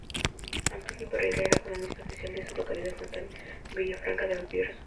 Antonio Pereira era cronista oficial de su localidad natal, Villafranca del Bierzo.